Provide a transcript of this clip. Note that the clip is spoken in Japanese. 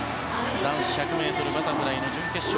男子１００ｍバタフライの準決勝。